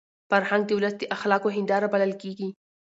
فرهنګ د ولس د اخلاقو هنداره بلل کېږي.